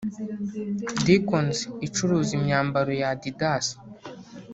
Dickons icuruza imyambaro ya Addidas